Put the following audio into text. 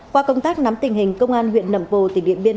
qua công tác nắm tình hình công an huyện nậm pồ tỉnh điện biên